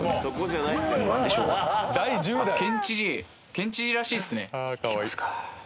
県知事らしいっすね